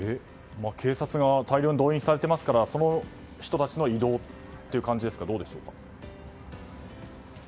警察が大量に動員されていますからその人たちの移動という感じですか。